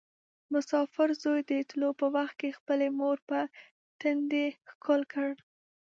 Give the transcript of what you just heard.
مسافر زوی د تلو په وخت کې خپلې مور په تندي ښکل کړ.